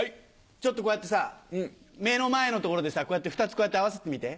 ちょっとこうやってさ目の前の所でさこうやって２つ合わせてみて。